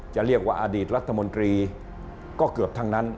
จะเรียกว่าอดีตรัฐมนตรีก็เกือบทั้งนั้น